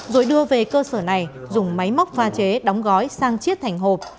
rồi đưa về cơ sở này dùng máy móc pha chế đóng gói sang chiết thành hộp